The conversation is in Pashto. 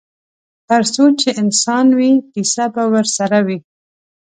ترڅو چې انسان وي کیسه به ورسره وي.